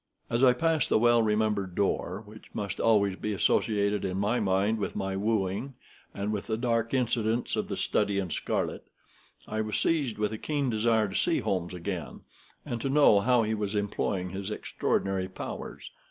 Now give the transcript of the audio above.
As I passed the well remembered door, which must always be associated in my mind with my wooing, and with the dark incidents of the Study in Scarlet, I was seized with a keen desire to see Holmes again, and to know how he was employing his extraordinary powers.